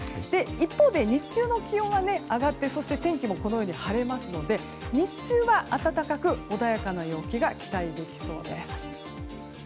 一方で日中の気温は上がって、天気も晴れますので日中は暖かく穏やかな陽気が期待できそうです。